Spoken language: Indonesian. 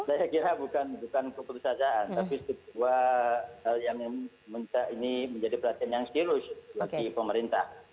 saya kira bukan keputusasaan tapi sebuah hal yang menjadi perhatian yang stilus bagi pemerintah